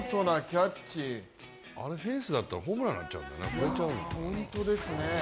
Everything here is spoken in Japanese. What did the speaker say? あれフェンスだったらホームランになっちゃうよね。